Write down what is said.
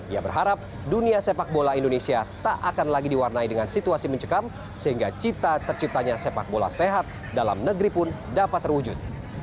ia berharap dunia sepak bola indonesia tak akan lagi diwarnai dengan situasi mencekam sehingga cita terciptanya sepak bola sehat dalam negeri pun dapat terwujud